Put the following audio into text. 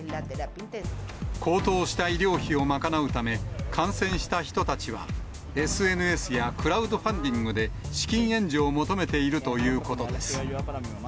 高騰した医療費を賄うため、感染した人たちは、ＳＮＳやクラウドファンディングで、資金援助を求めているということです。